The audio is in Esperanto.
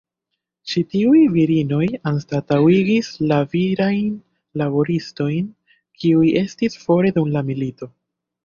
Ĉi tiuj virinoj anstataŭigis la virajn laboristojn, kiuj estis fore dum la milito.